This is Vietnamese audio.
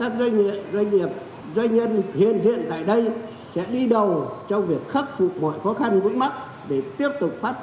các doanh nghiệp doanh nhân hiện diện tại đây sẽ đi đầu trong việc khắc phục mọi khó khăn vững mắc